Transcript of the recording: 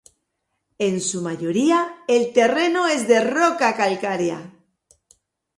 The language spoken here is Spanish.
En su mayoría, el terreno es de roca calcárea.